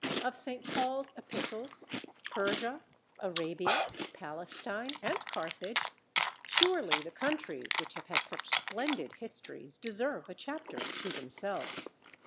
of St. Paul's Epistles, Persia, Arabia, Palestine, and Carthage, surely the countries which have had such splendid histories deserve a chapter to themselves.